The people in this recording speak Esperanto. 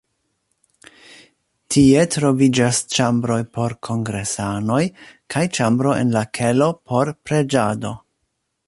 Tie troviĝas ĉambroj por kongresanoj kaj ĉambro en la kelo por preĝado.